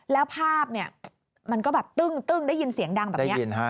แล้วภาพเนี่ยมันก็แบบตึ้งได้ยินเสียงดังแบบนี้